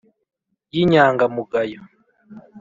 y' iny:angamugayo